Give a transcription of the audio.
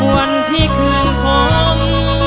วันที่คืนผม